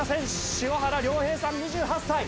塩原亮平さん２８歳。